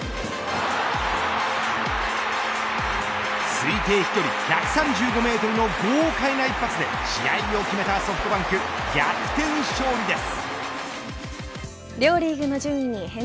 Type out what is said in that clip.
推定飛距離１３５メートルの豪快な一発で試合を決めたソフトバンク逆転勝利です。